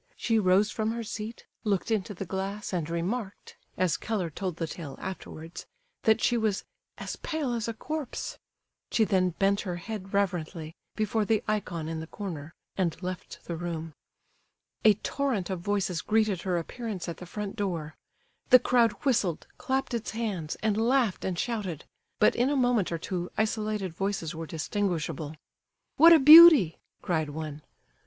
She rose from her seat, looked into the glass and remarked, as Keller told the tale afterwards, that she was "as pale as a corpse." She then bent her head reverently, before the ikon in the corner, and left the room. A torrent of voices greeted her appearance at the front door. The crowd whistled, clapped its hands, and laughed and shouted; but in a moment or two isolated voices were distinguishable. "What a beauty!" cried one.